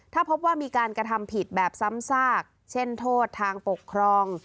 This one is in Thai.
ถ้าพบว่ามีการกระทำผิดแบบซ้ำซากเช่นโทษทางปกครอง